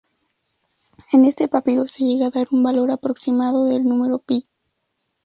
En este papiro se llega a dar un valor aproximado del número pi.